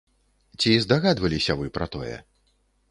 Ці здагадваліся вы пра тое?